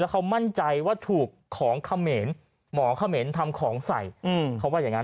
แล้วเค้ามั่นใจว่าถูกของขเมนหมอขเมนทำของสัยเค้าว่าอย่างงั้น